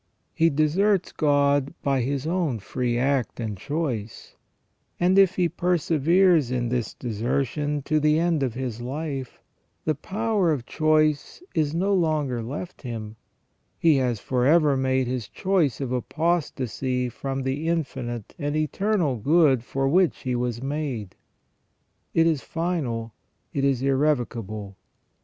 He deserts God by his own free act and choice, and if he perseveres in this desertion to the end of his life, the power of choice is no longer left him ; he has for ever made his choice of apostasy from the infinite and eternal good for which he was made ; it is final, it is irrevocable.